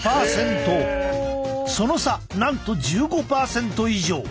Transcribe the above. その差なんと１５％以上。